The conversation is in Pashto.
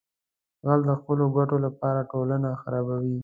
غل د خپلو ګټو لپاره ټولنه خرابوي